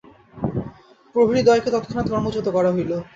প্রহরীদ্বয়কে তৎক্ষণাৎ কর্মচ্যুত করা হইল।